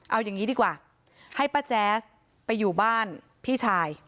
เอาอย่างนี้ดีกว่าให้ป้าแจ๊สไปอยู่บ้านพี่ชาย